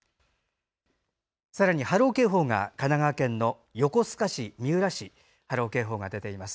さらに波浪警報が神奈川県の横須賀市、三浦市に波浪警報が出ています。